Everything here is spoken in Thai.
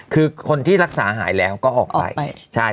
คือคนที่รักษาหายแล้วก็ออกไป